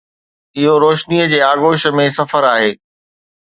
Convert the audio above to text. اهو روشنيءَ جي آغوش ۾ سفر آهي.